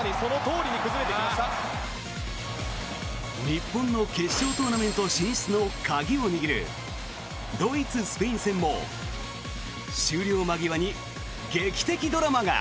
日本の決勝トーナメント進出の鍵を握るドイツ、スペイン戦も終了間際に劇的ドラマが。